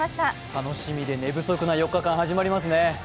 楽しみで寝不足な４日間始まりますね。